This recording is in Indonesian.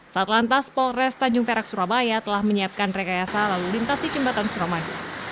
satu lantas polres tanjung perak surabaya telah menyiapkan rekayasa lalu lintasi jembatan suramadu